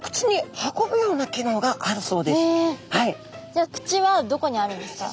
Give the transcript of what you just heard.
じゃあ口はどこにあるんですか？